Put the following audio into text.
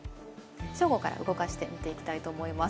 正午から動かしてみていきたいと思います。